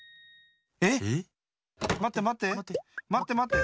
えっ⁉まってまって。